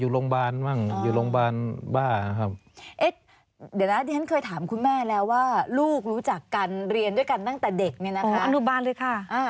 ลูกก็รู้จักกันเรียนด้วยกันตั้งแต่เด็ก